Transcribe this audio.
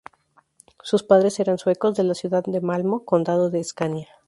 Sus padres eran suecos, de la ciudad de Malmö, condado de Scania.